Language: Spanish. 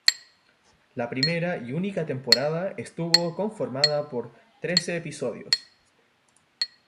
La primera y única temporada estuvo conformada por trece episodios.